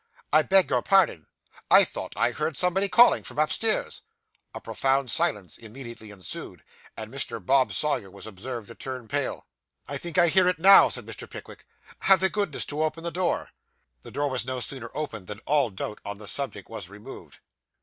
I beg your pardon. I thought I heard somebody calling from upstairs.' A profound silence immediately ensued; and Mr. Bob Sawyer was observed to turn pale. 'I think I hear it now,' said Mr. Pickwick. 'Have the goodness to open the door.' The door was no sooner opened than all doubt on the subject was removed.